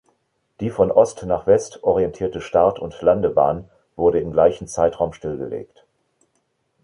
Die von Ost nach West orientierte Start- und Landebahn wurde im gleichen Zeitraum stillgelegt.